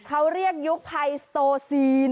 เขาเรียกยุคภัยสโตซีน